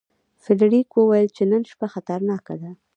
فلیریک وویل چې نن شپه خطرناکه ده.